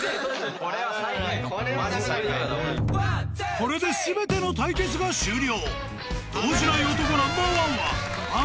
［これで全ての対決が終了！］